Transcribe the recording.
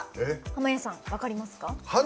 濱家さん、分かりますか？